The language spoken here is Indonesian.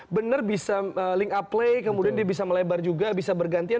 benar bisa link uplay kemudian dia bisa melebar juga bisa bergantian